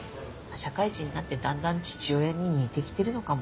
社会人になってだんだん父親に似てきてるのかも。